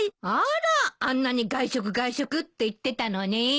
あらあんなに外食外食って言ってたのに。